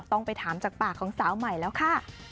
ต้องไปถามจากปากของสาวใหม่แล้วค่ะ